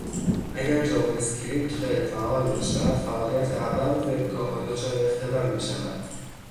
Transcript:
اگر جاوااسکریپت غیرفعال باشد، فعالیت اغلب وبگاهها دچار اختلال میشود.